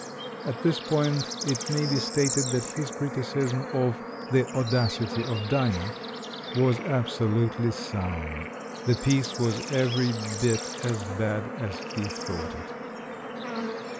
At this point it may be stated that his criticism of The Audacity of Dinah was absolutely sound. The piece was every bit as bad as he thought it.